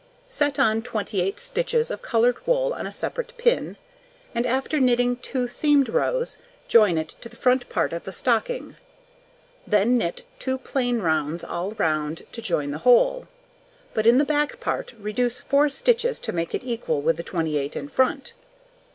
Set on 28 stitches of coloured wool on a separate pin, and after knitting 2 seamed rows, join it to the front part of the stocking, then knit 2 plain rounds all round to join the whole, but in the back part reduce 4 stitches to make it equal with the 28 in front.